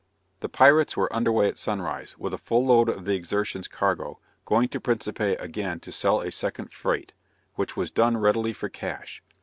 The pirates were under way at sunrise, with a full load of the Exertion's cargo, going to Principe again to sell a second freight, which was done readily for cash.